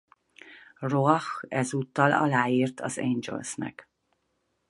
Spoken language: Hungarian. Roach ezúttal aláírt az Angelsnek.